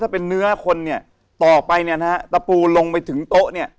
ต่อไปเนี่ยนะฮะตะปูลงไปถึงโต๊ะเนี่ย